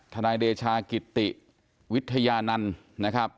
ทนายเดชากิตติวิทยานันตร์